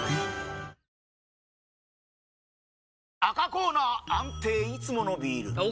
赤コーナー安定いつものビール！